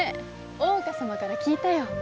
大岡様から聞いたよ。